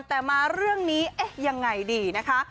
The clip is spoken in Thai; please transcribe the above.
แต่มาเรื่องนี้เอ๊ะยังไงดีนะคะ